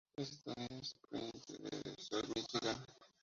Es estadounidense, proveniente de Detroit, Michigan.